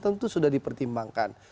tentu sudah dipertimbangkan